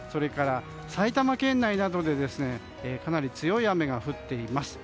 埼玉方面などでかなり強い雨が降っています。